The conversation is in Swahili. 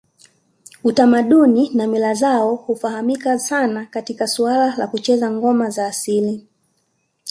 Utamaduni na mila zao hufahamika sana katika suala la kucheza ngoma za asili